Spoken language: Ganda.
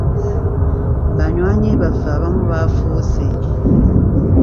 Banywanyi baffe abamu bafuuse.